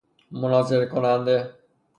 مناظره کننده